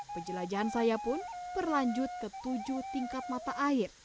penjelajahan saya pun berlanjut ke tujuh tingkat mata air